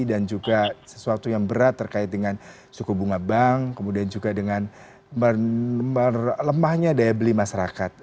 dan juga sesuatu yang berat terkait dengan suku bunga bank kemudian juga dengan lemahnya daya beli masyarakat